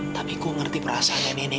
tapi gue ngerti perasaan ini